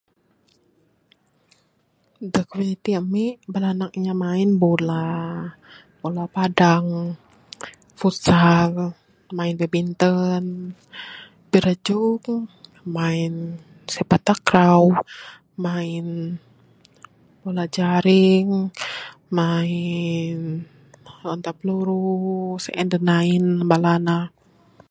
Da komuniti ami, bala anak inya main bola, bola padang, futsal, main badminton, birajung, main sepak takraw, main bola jaring, main lontar peluru, sien da nain bala ne.